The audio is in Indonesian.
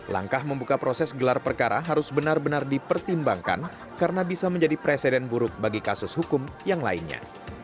langkah membuka proses gelar perkara harus benar benar dipertimbangkan karena bisa menjadi presiden buruk bagi kasus hukum yang lainnya